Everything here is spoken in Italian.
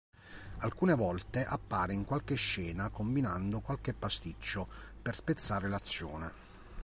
Alcune volte appare in qualche scena combinando qualche pasticcio per spezzare l'azione.